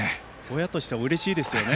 親としてはうれしいですよね。